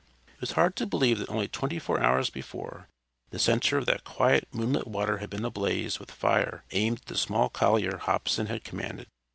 It was hard to believe that only twenty four hours before the center of that quiet moonlit water had been ablaze with fire aimed at the small collier Hobson had commanded.